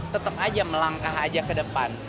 tetap aja melangkah aja ke depan